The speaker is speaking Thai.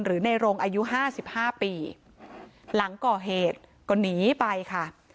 ในโรงอายุห้าสิบห้าปีหลังก่อเหตุก็หนีไปค่ะ